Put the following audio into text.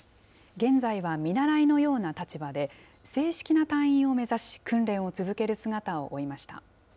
現在は見習いのような立場で、正式な隊員を目指し、訓練を続ける姿を追いました。